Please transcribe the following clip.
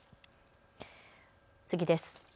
次です。